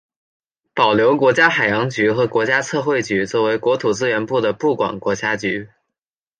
保留国家海洋局和国家测绘局作为国土资源部的部管国家局。